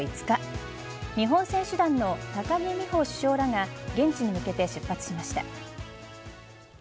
日本選手団の高木美帆主将らが現地に向けて出発しました。